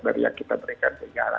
dari yang kita berikan